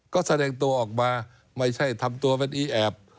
ก็แสดงตัวออกมาไม่ใช่ทำตัวเป็นอีแอบ